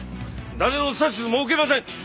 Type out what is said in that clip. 誰の指図も受けません！